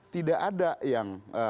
tidak ada yang